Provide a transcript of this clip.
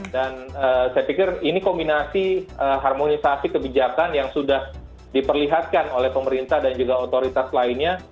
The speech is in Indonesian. saya pikir ini kombinasi harmonisasi kebijakan yang sudah diperlihatkan oleh pemerintah dan juga otoritas lainnya